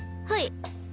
はい。